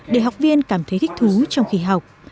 để học viên cảm thấy thích thú trong khi học